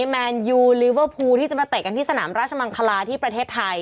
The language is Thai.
แมนยูลิเวอร์พูลที่จะมาเตะกันที่สนามราชมังคลาที่ประเทศไทย